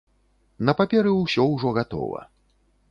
На паперы ўсё ўжо гатова.